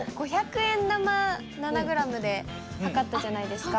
５００円玉７ｇで量ったじゃないですか。